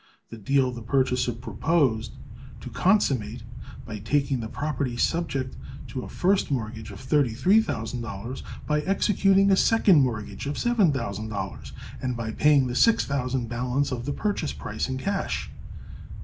This deal the purchaser proposed to consummate by taking the property subject to a first mortgage of thirty three thousand dollars, by executing a second mortgage of seven thousand dollars, and by paying the six thousand balance of the purchase price in cash.